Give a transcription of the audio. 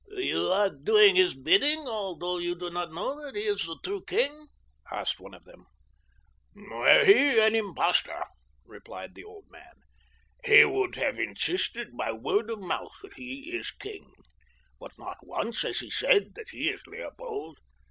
"You are doing his bidding, although you do not know that he is the true king?" asked one of them. "Were he an impostor," replied the old man, "he would have insisted by word of mouth that he is king. But not once has he said that he is Leopold.